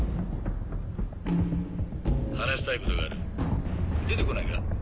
話したいことがある出て来ないか？